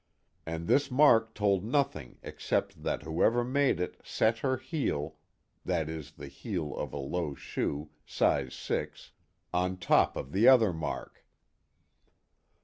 And this mark told nothing except that whoever made it set her heel that is, the heel of a low shoe, size six on top of the other mark."